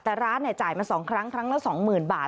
แต่ร้านจ่ายมา๒ครั้งครั้งละ๒๐๐๐บาท